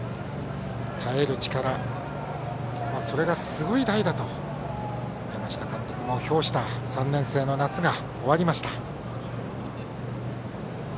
耐える力がすごい代だと山下監督も評した３年生の夏が終わりました。